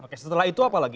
oke setelah itu apa lagi